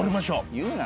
言うな。